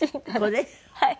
はい。